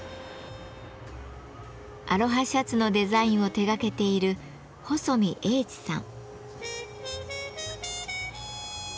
アロハシャツのデザインを手がけている細見英知さん。